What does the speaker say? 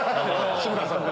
志村さん。